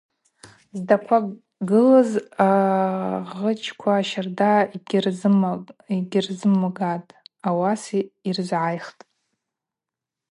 Здаква гылыз агъычква щарда йгьырзымгатӏ, ауаса йазгӏайхтӏ.